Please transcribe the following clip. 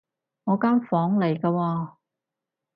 我間房嚟㗎喎